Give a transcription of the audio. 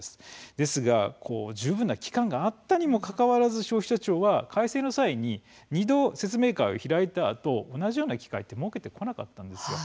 ですが十分な周知期間があったにもかかわらず消費者庁は改正の際に２度説明会を開いたあと同じような機会を設けてこなかったんです。